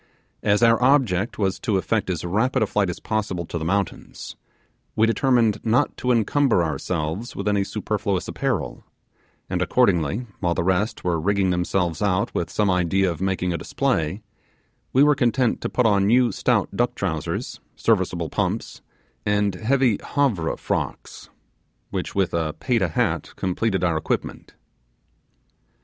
As our object was to effect as rapid a flight as possible to the mountains, we determined not to encumber ourselves with any superfluous apparel; and accordingly, while the rest were rigging themselves out with some idea of making a display, we were content to put on new stout duck trousers, serviceable pumps, and heavy Havre frocks, which with a Payta hat completed our equipment.